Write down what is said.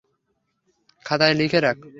খাতায় লিখে রাখ।